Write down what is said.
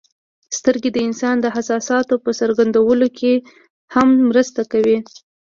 سترګې د انسان د احساساتو په څرګندولو کې هم مرسته کوي.